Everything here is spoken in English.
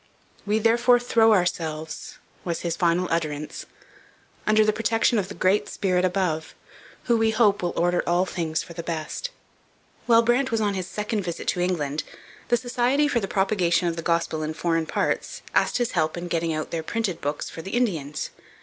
'We therefore throw ourselves,' was his final utterance, 'under the protection of the Great Spirit above, who, we hope, will order all things for the best.' While Brant was on his second visit to England, the Society for the Propagation of the Gospel in Foreign Parts asked his help in getting out their printed books for the Indians.